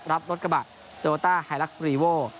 รับรถกระบะโตโยต้าไฮลักษรีโว